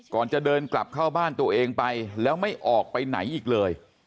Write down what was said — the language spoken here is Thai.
ก่อนจะเดินกลับเข้าบ้านตัวเองไปแล้วไม่ออกไปไหนอีกเลย